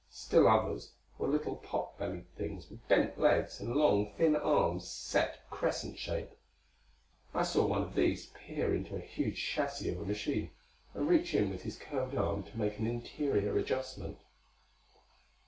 Still others were little pot bellied things with bent legs and long thin arms set crescent shape. I saw one of these peer into a huge chassis of a machine, and reach in with his curved arm to make an interior adjustment....